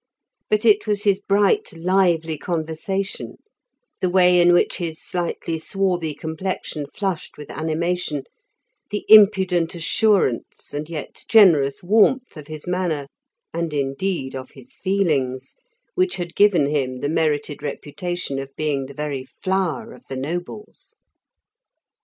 But it was his bright, lively conversation, the way in which his slightly swarthy complexion flushed with animation, the impudent assurance and yet generous warmth of his manner, and, indeed, of his feelings, which had given him the merited reputation of being the very flower of the nobles.